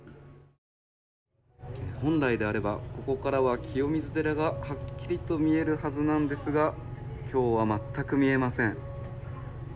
本来であればここからは清水寺がはっきりと見えるはずなんですが今日は全く見えません。